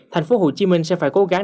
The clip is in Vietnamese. thành phố hồ chí minh sẽ phải cố gắng